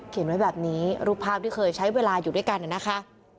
ไว้แบบนี้รูปภาพที่เคยใช้เวลาอยู่ด้วยกันนะคะ